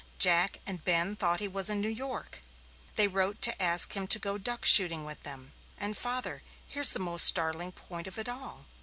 Jack and Ben thought he was in New York. They wrote to ask him to go duck shooting with them. And, father here's the most startling point of it all."